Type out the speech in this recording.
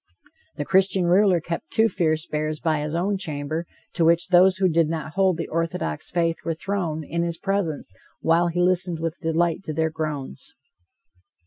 The Christian ruler kept two fierce bears by his own chamber, to which those who did not hold the orthodox faith were thrown in his presence while he listened with delight to their groans.